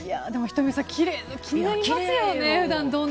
仁美さん、きれいで気になりますよね。